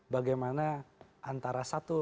bagaimana antara satu